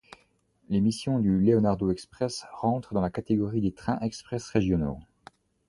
Les missions du Leonardo Express rentrent dans la catégorie des trains express régionaux.